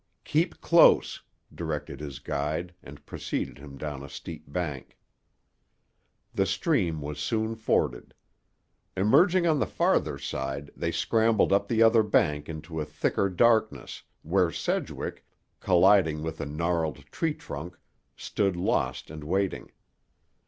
"Keep close," directed his guide, and preceded him down a steep bank. The stream was soon forded. Emerging on the farther side they scrambled up the other bank into a thicker darkness, where Sedgwick, colliding with a gnarled tree trunk, stood lost and waiting.